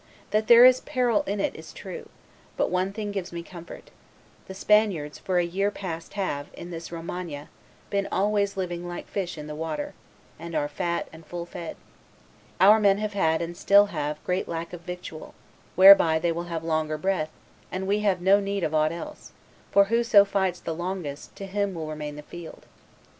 That there is peril in it is true; but one thing gives me comfort: the Spaniards for a year past have, in this Romagna, been always living like fish in the water, and are fat and full fed; our men have had and still have great lack of victual, whereby they will have longer breath, and we have no need of ought else, for whoso fights the longest, to him will remain the 'field.